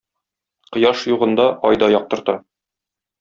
Кояш югында ай да яктырта.